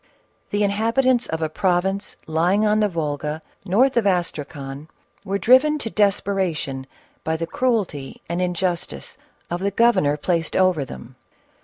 The inhabitants of a province lying on the Volga, north of Astracan, were driven to desperation by the cruelty and injustice of the governor placed over them.